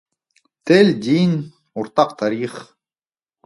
Тел дин уртаҡ тарих